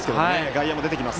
外野も出てきます。